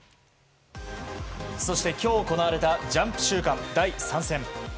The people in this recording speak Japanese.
そして今日、行われたジャンプ週間第３戦。